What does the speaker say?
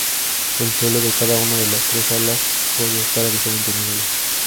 El suelo de cada uno de las tres salas puede estar a diferente nivel.